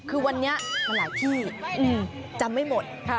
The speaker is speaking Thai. คือวันนี้มันหลายที่จำไม่หมด